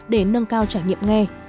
để nâng cao trải nghiệm nghe